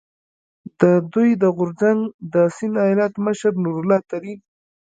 د دوی د غورځنګ د سیند ایالت مشر نور الله ترین،